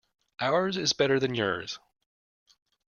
Ours is better than yours.